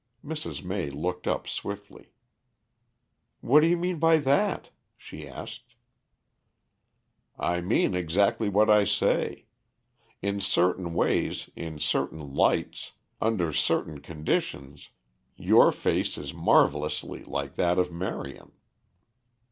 Mrs. May looked up swiftly. "What do you mean by that?" she asked. "I mean exactly what I say. In certain ways, in certain lights, under certain conditions your face is marvelously like that of Marion."